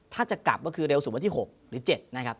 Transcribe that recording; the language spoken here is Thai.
ถ้าจะกลับก็คือเร็วสุดวันที่๖หรือ๗นะครับ